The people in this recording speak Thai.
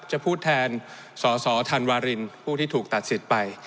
จะพูดแทนสสธันวารินผู้ที่ถูกตัดสิทธิ์ไป